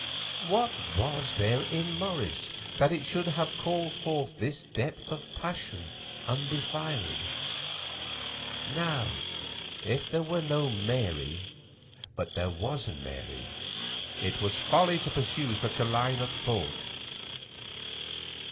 What was there in Morris that it should have called forth this depth of passion undefiled? Now, if there were no Mary—but there was a Mary, it was folly to pursue such a line of thought.